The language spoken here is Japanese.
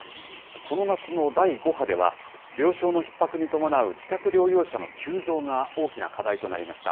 この夏の第５波では、病床のひっ迫に伴う自宅療養者の急増が大きな課題となりました。